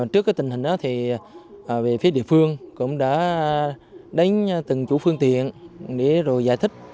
trước cái tình hình đó thì về phía địa phương cũng đã đánh từng chủ phương tiện để rồi giải thích